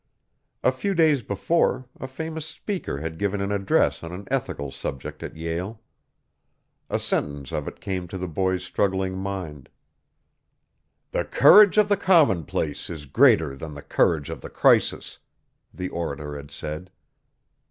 A few days before a famous speaker had given an address on an ethical subject at Yale. A sentence of it came to the boy's struggling mind. "The courage of the commonplace is greater than the courage of the crisis," the orator had said.